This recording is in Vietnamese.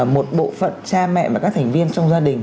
một bộ phận cha mẹ và các thành viên trong gia đình